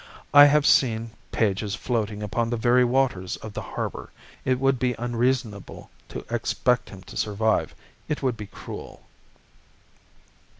I have seen pages floating upon the very waters of the harbour. It would be unreasonable to expect him to survive. It would be cruel.